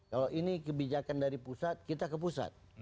kalau ini kebijakan dari pusat kita ke pusat